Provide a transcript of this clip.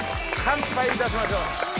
乾杯いたしましょう。